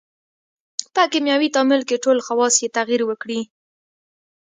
په کیمیاوي تعامل کې ټول خواص یې تغیر وکړي.